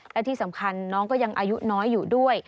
และที่สำคัญน้องก็ยังอายุน้อยอยู่ด้วย